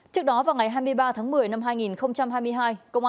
trước đó vào ngày hai mươi ba tháng một mươi năm hai nghìn hai mươi hai